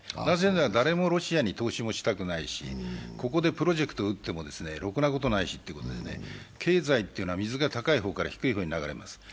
なぜならば誰もロシアに投資したくないし、ここでプロジェクトを打ってもろくなことないしということで、経済というのは水が高い方から低い方に流れます。